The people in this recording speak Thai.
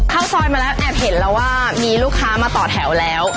เข้าซอยมาแล้วแอบเห็นแล้วว่ามีลูกค้ามาต่อแถวแล้ว